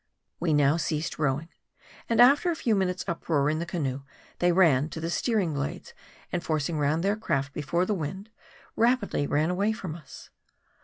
155 We now ceased rowing, and after a few minutes' uproar in the canoe, they ran to the steering paddles, and forcing round their craft before the wind, rapidly ran away from us.